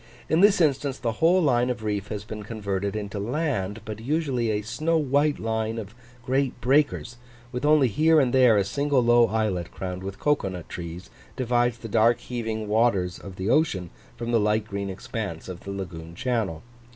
In this instance the whole line of reef has been converted into land; but usually a snow white line of great breakers, with only here and there a single low islet crowned with cocoa nut trees, divides the dark heaving waters of the ocean from the light green expanse of the lagoon channel.